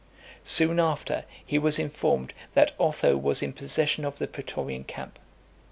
Soon after, he was informed, that Otho was in possession of the pretorian camp.